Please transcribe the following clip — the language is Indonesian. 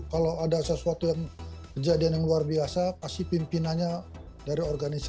kalau ada sesuatu yang kejadian yang luar biasa pasti pimpinannya dari organisasi